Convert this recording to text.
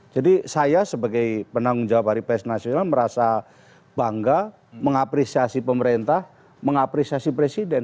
jadi saya sebagai penanggung jawab hari pers nasional merasa bangga mengapresiasi pemerintah mengapresiasi presiden